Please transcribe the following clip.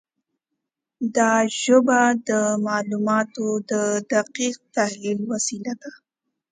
دا ژبه د معلوماتو د دقیق تحلیل وسیله ده.